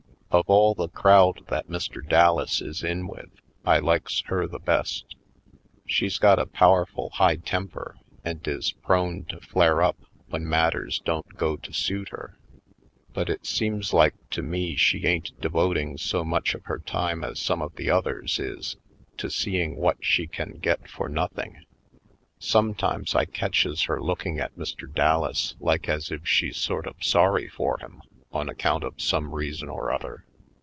Of all the crowd that Mr. Dallas is in with, I likes her the best. She's got a power ful high temper and is prone to flare up Private Life 169 when matters don't go to suit her; but it seems like to me she ain't devoting so much of her time as some of the others is to seeing what she can get for nothing. Sometimes I catches her looking at Mr. Dallas like as if she's sort of sorry for him on account of some reason or other.